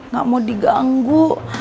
gak mau diganggu